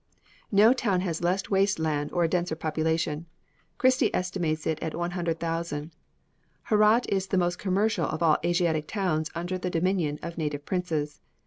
No town has less waste land or a denser population. Christie estimates it at 100,000. Herat is the most commercial of all Asiatic towns under the dominion of native princes.